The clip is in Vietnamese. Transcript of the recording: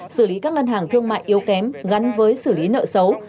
xử lý các ngân hàng thương mại yếu kém gắn với xử lý nợ xấu